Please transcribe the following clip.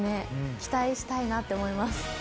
期待したいなって思います。